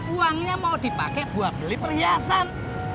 uangnya mau dipakai buat beli perhiasan